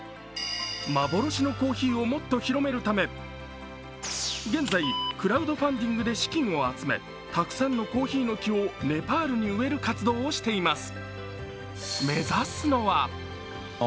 幻のコーヒーをもっと広めるため、現在、クラウドファンディングで資金を集めたくさんのコーヒーの木をネパールに植える活動をしています。